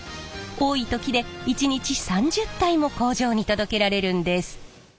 多い時で一日３０体も工場に届けられるんです！